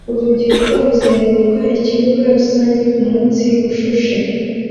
Urubyiruko ruzenguruka ikibuga rusange kumunsi ushushe